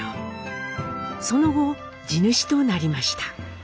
その後地主となりました。